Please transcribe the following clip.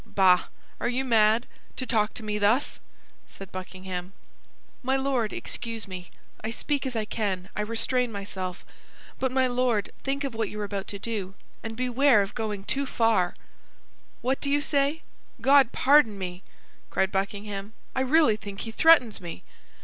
"Bah! Are you mad, to talk to me thus?" said Buckingham. "My Lord, excuse me! I speak as I can; I restrain myself. But, my Lord, think of what you're about to do, and beware of going too far!" "What do you say? God pardon me!" cried Buckingham, "I really think he threatens me!"